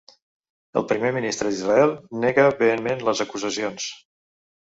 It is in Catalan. El primer ministre d’Israel nega vehementment les acusacions.